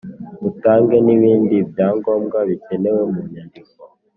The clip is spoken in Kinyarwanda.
Utange n’ibindi bya ngombwa bikenewe mu nyandiko